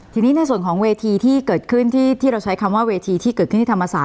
ทีนี้ในส่วนของเวทีที่เกิดขึ้นที่เราใช้คำว่าเวทีที่เกิดขึ้นที่ธรรมศาส